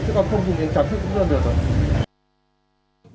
chứ còn không dùng yến trắng thì cũng đơn được rồi